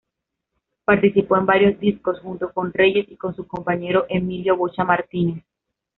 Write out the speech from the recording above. Participó en varios discos junto con Reyes y con su compañero Emilio "Bocha" Martínez.